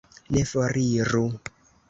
Ne foriru.